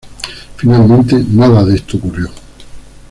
Finalmente, nada de esto ocurrió.